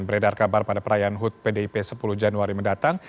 beredar kabar pada perayaan hud pdip sepuluh januari mendatang